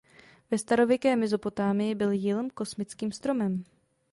Ve starověké Mezopotámii byl jilm kosmickým stromem.